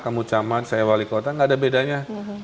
kamu camat saya wali kota gak ada bedanya